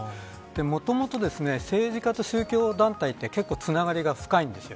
もともと政治家と宗教団体は結構つながりが深いんです。